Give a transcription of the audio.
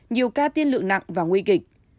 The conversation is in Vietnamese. nhiều ca tiên lự nặng và nguy kịch